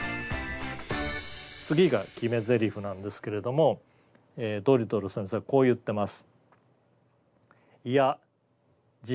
次が決めゼリフなんですけれどもえドリトル先生はこう言ってます。